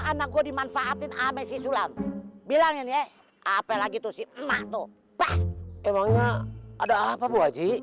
anak gue dimanfaatin ame sulam bilangin ya apel lagi tuh sih emak tuh emangnya ada apa bu aji